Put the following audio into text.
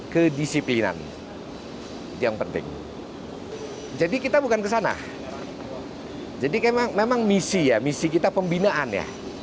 kedisiplinan yang penting jadi kita bukan kesana jadi memang misi ya misi kita pembinaan ya